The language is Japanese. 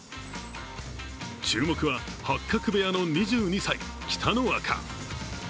注目は八角部屋の２２歳、北の若。